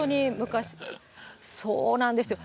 そうなんですよ。